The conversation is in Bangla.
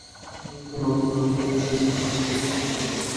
অন্যান্য প্রমাণের মধ্যে রয়েছে তার শরীরে হলুদ/সোনালি রঙের ফাইবারের উপস্থিতি।